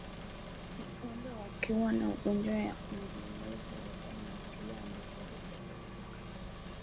Ngombe wakiwa na ugonjwa wa majimoyo hurukwa na akili ambapo hupepesuka